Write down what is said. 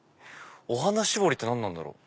お花絞りって何なんだろう？